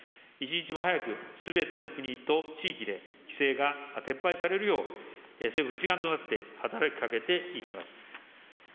一日も早くすべての国と地域で規制が撤廃されるよう、政府一丸となって働きかけていきます。